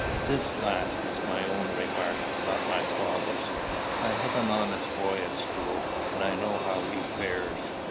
This last is my own remark, not my father's. I have an honest boy at school, and I know how he fares.